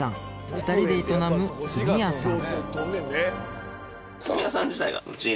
２人で営む墨屋さん